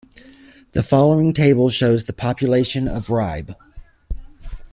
The following table shows the population of Ribe.